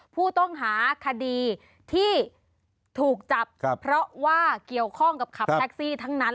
ผู้ต้องหาคดีที่ถูกจับเพราะว่าเกี่ยวข้องกับขับแท็กซี่ทั้งนั้น